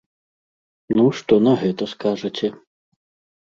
Ну, што на гэта скажаце?